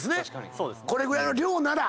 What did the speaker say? これぐらいの量なら。